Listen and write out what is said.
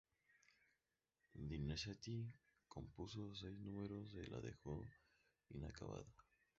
Donizetti compuso seis números y la dejó inacabada.